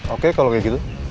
oke kalau kayak gitu